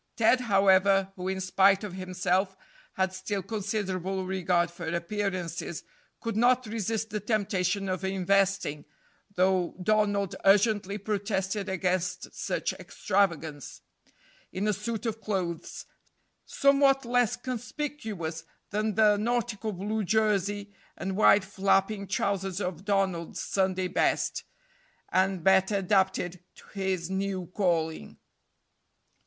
Ted, however, who, in spite of himself, had still considerable regard for appearances, could not resist the temptation of investing though Donald urgently protested against such extravagance in a suit of clothes, somewhat less conspicuous than the nautical blue jersey and wide flapping trousers of Donald's Sunday best, and better adapted to his new calling.